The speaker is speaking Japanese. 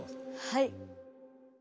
はい。